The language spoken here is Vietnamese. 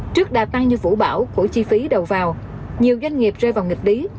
trước đà tăng như vũ bão của chi phí đầu vào nhiều doanh nghiệp rơi vào nghịch lý